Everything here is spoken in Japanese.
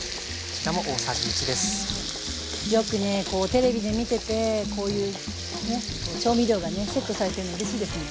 よくねテレビで見ててこういうね調味料がねセットされてるのうれしいですね。